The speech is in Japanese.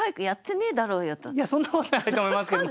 いやそんなことはないと思いますけど。